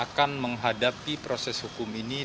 akan menghadapi proses hukum ini